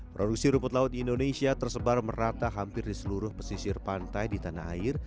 produksi rumput laut di indonesia tersebar merata hampir di seluruh pesisir pantai di tanah air